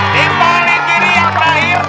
di paling kiri yang terakhir